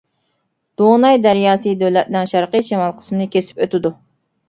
دوناي دەرياسى دۆلەتنىڭ شەرقىي شىمال قىسمىنى كېسىپ ئۆتىدۇ.